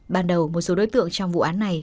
ban đầu một số đối tượng trong vụ án này